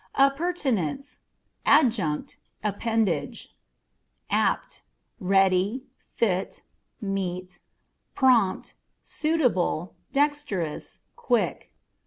Appurtenance â€" adjunct, appendage. Apt â€" ready, fit, meet, prompt, suitable, dexterous, quick.